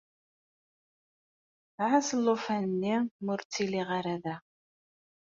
Ɛass alufan-nni mi ur ttiliɣ ara da.